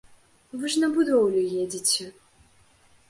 Вы ж на будоўлю едзеце.